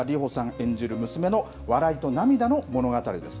演じる娘の笑いと涙の物語です。